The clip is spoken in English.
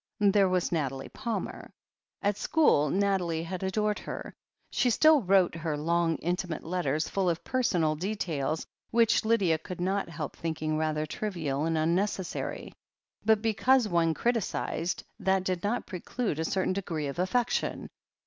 There was Nathalie Palmer. At school, Nathalie had adored her. She still wrote her long, intimate letters full of personal details which THE HEEL OF ACHILLES 173 Lydia could not help thinking rather trivial and un necessary. But because one criticized, that did not preclude a certain degree of affection.